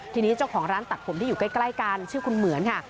ทีนี้เจ้าของร้านตัดผมที่อยู่ใกล้กันชื่อคุณเหมือนค่ะ